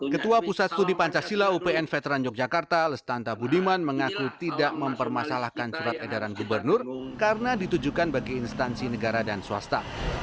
ketua pusat studi pancasila upn veteran yogyakarta lestanta budiman mengaku tidak mempermasalahkan surat edaran gubernur karena ditujukan bagi instansi negara dan swasta